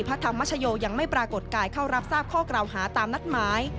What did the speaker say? ธรรมชโยยังไม่ปรากฏกายเข้ารับทราบข้อกล่าวหาตามนัดหมาย